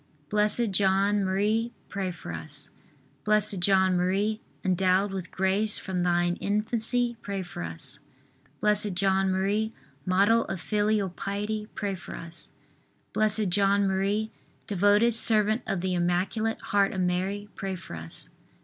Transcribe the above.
Blessed John Marie, pray for us. B. J. M., endowed with grace from thine infancy, pray for us. B. J. M., model of filial piety, pray for us. B. J. M., devoted servant of the Immaculate Heart of Mary, pray for us.